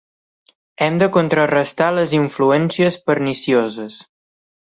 Hem de contrarestar les influències pernicioses.